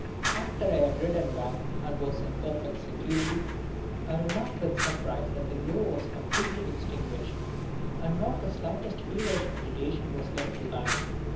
"After I had ridden back, and was in perfect security, I remarked with surprise that the glow was completely extinguished, and not the slightest feverish agitation was left behind.